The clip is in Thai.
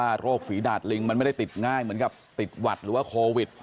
โรคฝีดาดลิงมันไม่ได้ติดง่ายเหมือนกับติดหวัดหรือว่าโควิด